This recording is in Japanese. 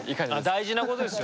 大事なことですよ。